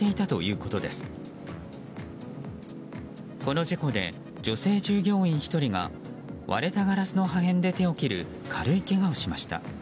この事故で女性従業員１人が割れたガラスの破片で手を切る、軽いけがをしました。